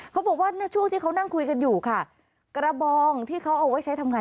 เขาบอกว่าช่วงที่เขานั่งคุยกันอยู่ค่ะกระบองที่เขาเอาไว้ใช้ทำงาน